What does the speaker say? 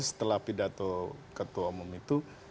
setelah pidato ketua umum itu